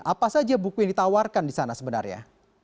apa saja buku yang ditawarkan di sana sebenarnya